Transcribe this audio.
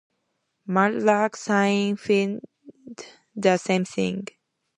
Mud-lark signified the same thing.